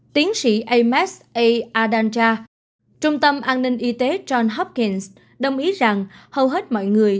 tiến sĩ ames a adanja trung tâm an ninh y tế john hopkins đồng ý rằng hầu hết mọi người